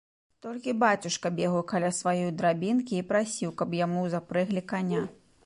Толькі бацюшка бегаў каля сваёй драбінкі і прасіў, каб яму запрэглі каня.